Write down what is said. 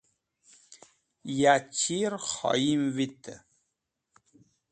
Ya chir khoyim vitẽ.